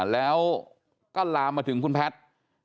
แล้วก็ลามมาถึงคุณแพทย์